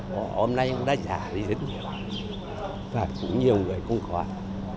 họ hôm nay cũng đã giả đi rất nhiều và cũng nhiều người cũng khỏi